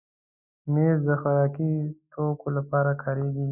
مېز د خوراکي توکو لپاره کارېږي.